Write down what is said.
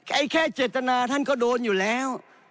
แค่เจตนาท่านก็โดนอยู่แล้ว